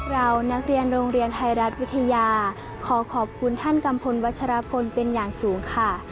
เรานักเรียนโรงเรียนไทยรัฐวิทยาขอขอบคุณท่านกัมพลวัชรพลเป็นอย่างสูงค่ะ